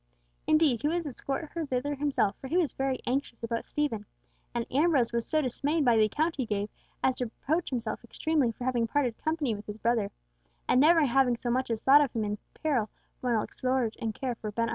Indeed, he would escort her thither himself for he was very anxious about Stephen, and Ambrose was so dismayed by the account he gave as to reproach himself extremely for having parted company with his brother, and never having so much as thought of him as in peril, while absorbed in care for Abenali.